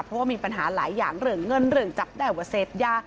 เพราะว่ามีปัญหาหลายอย่างเรื่องเงินเรื่องจับได้ว่าเสพยา